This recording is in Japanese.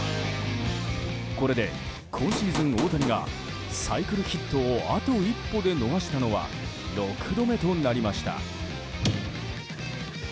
これで、今シーズン大谷がサイクルヒットをあと一歩で逃したのは６度目となりました。